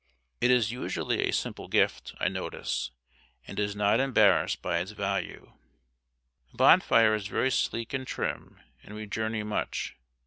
It is usually a simple gift, I notice, and does not embarrass by its value. Bonfire is very sleek and trim, and we journey much.